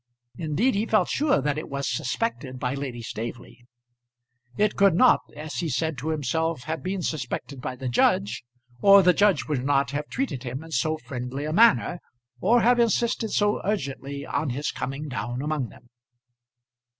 Indeed he felt sure that it was suspected by Lady Staveley. It could not, as he said to himself, have been suspected by the judge, or the judge would not have treated him in so friendly a manner, or have insisted so urgently on his coming down among them.